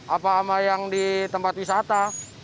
apa sama yang di tempat wisata